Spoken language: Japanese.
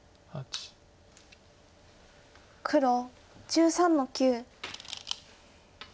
黒１３の九。